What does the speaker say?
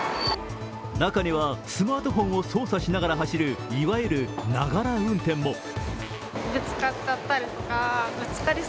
中にはスマートホンを操作しながら走るいわゆる、ながら運転も。